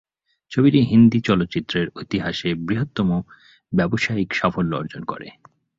ছবিটি হিন্দি চলচ্চিত্রের ইতিহাসে বৃহত্তম ব্যবসায়িক সাফল্য অর্জন করে।